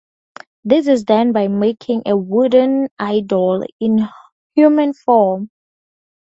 This is done by making a wooden idol in human form.